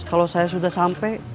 kalau saya sudah sampai